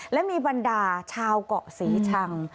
และมีบรรดาชาวเกาะศรีชัง